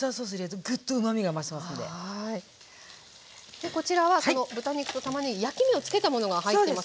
でこちらはその豚肉とたまねぎ焼き目をつけたものが入ってます。